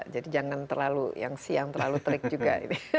jadi jangan terlalu yang siang terlalu terik juga